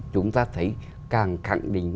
chúng ta thấy càng khẳng định